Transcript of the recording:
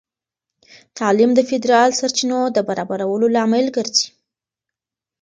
تعلیم د فیدرال سرچینو د برابرولو لامل ګرځي.